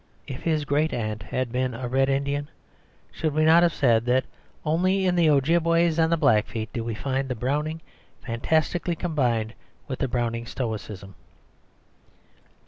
If his great aunt had been a Red Indian, should we not have said that only in the Ojibways and the Blackfeet do we find the Browning fantasticality combined with the Browning stoicism?